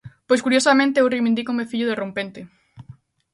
Pois curiosamente eu reivindícome fillo de Rompente.